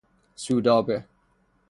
سودابه